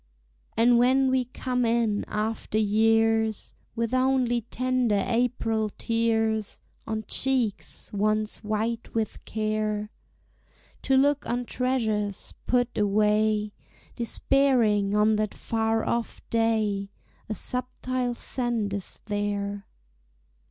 And when we come in after years, With only tender April tears On cheeks once white with care, To look on treasures put away Despairing on that far off day, A subtile scent is there.